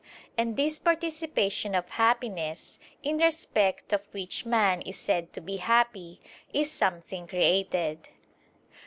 And this participation of happiness, in respect of which man is said to be happy, is something created.